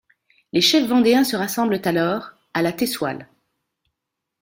Les chefs vendéens se rassemblent alors à La Tessoualle.